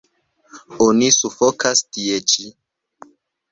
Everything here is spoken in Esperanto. Oni sufokas tie ĉi.